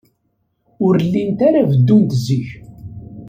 Ur llint ara beddunt zik.